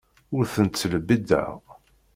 Ur ten-ttlebbiḍeɣ.